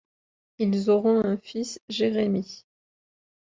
Ils auront un fils Jérémy.